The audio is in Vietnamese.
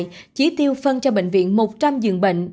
bệnh nhân hiện tại chỉ tiêu phân cho bệnh viện một trăm linh giường bệnh